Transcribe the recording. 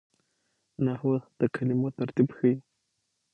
نحوه د کلمو ترتیب ښيي.